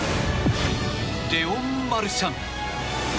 レオン・マルシャン。